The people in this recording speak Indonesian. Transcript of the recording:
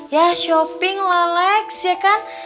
ya shopping lah lex ya kan